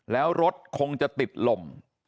แล้วรถคงจะติดลม